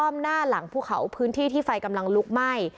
หน้าหลังภูเขาพื้นที่ที่ไฟกำลังลุกไหม้